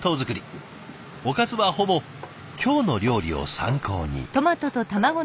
おかずはほぼ「きょうの料理」を参考に。